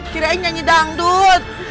hiranya nyanyi dangdut